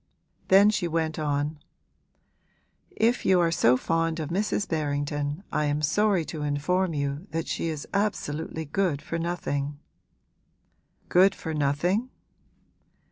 Then she went on, 'If you are so fond of Mrs. Berrington I am sorry to inform you that she is absolutely good for nothing.' 'Good for nothing?'